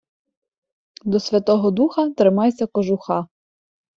До Святого Духа тримайся кожуха.